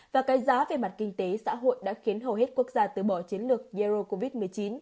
và cái giá về mặt kinh tế xã hội đã khiến hầu hết quốc gia tứ bỏ chiến lược zero covid một mươi chín